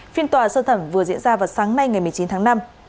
phiên tòa sơ thẩm vừa diễn ra vào sáng nay ngày một mươi chín tháng năm